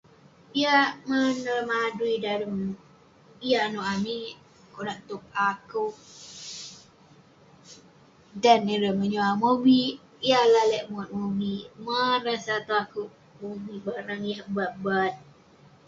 yah [unintelligible] dalem adui, dalem yah nouk amik. konak tog akouk dan ireh menyuk akouk mobik, yah akouk lalek muat mobik. Man rasa tong akouk mobik barang yak bat bat.